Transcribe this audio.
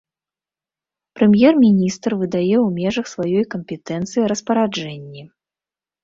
Прэм'ер-міністр выдае ў межах сваёй кампетэнцыі распараджэнні.